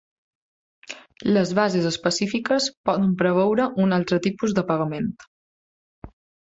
Les bases específiques poden preveure un altre tipus de pagament.